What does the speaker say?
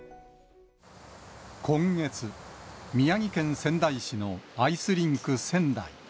今月、宮城県仙台市のアイスリンク仙台。